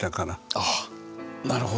ああなるほど。